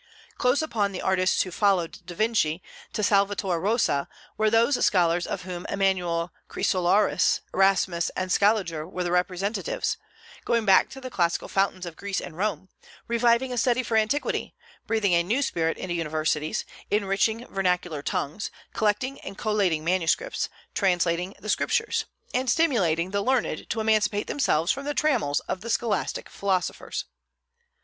Close upon the artists who followed Da Vinci, to Salvator Rosa, were those scholars of whom Emanuel Chrysoloras, Erasmus, and Scaliger were the representatives, going back to the classic fountains of Greece and Rome, reviving a study for antiquity, breathing a new spirit into universities, enriching vernacular tongues, collecting and collating manuscripts, translating the Scriptures, and stimulating the learned to emancipate themselves from the trammels of the scholastic philosophers.